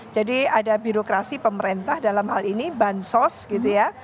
jadi ada birokrasi pemerintah dalam hal ini bansos gitu ya